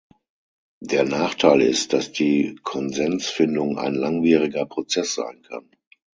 Der Nachteil ist, dass die Konsensfindung ein langwieriger Prozess sein kann.